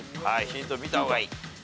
ヒント見た方がいい。